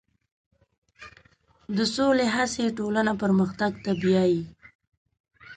د سولې هڅې ټولنه پرمختګ ته بیایي.